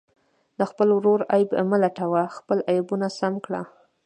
د خپل ورور عیب مه لټوئ، خپل عیبونه سم کړه.